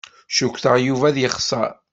Cukkteɣ Yuba ad yexṣer.